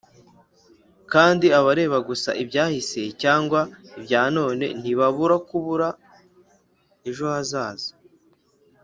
"kandi abareba gusa ibyahise cyangwa ibya none ntibabura kubura ejo hazaza."